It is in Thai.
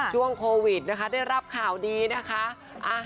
ช่วงโควิดนะคะได้รับข่าวดีนะคะ